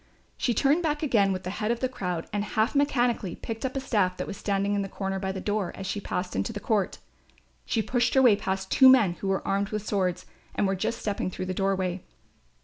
She turned back again with the head of the crowd and half mechanically picked up a staff that was standing in the corner by the door, as she passed into the court. She pushed her way past two men who were armed with swords and were just stepping through the doorway.